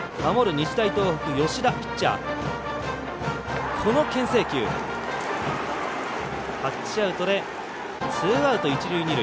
日大東北ピッチャーの吉田、けん制球でタッチアウトでツーアウト一塁二塁。